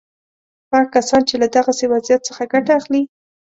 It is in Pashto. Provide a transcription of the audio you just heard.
هغه کسان چې له دغسې وضعیت څخه ګټه اخلي.